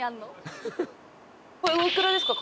これお幾らですか？